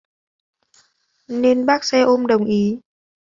nên bác xe ôm đồng ý